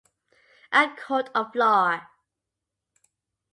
A court of law.